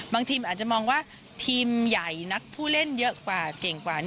บางทีมอาจจะมองว่าทีมใหญ่นักผู้เล่นเยอะกว่าเก่งกว่า